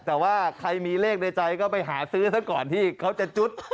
แต่ว่าใครมีเลขในใจก็ไปหาซื้อซะก่อนที่เขาจะจุด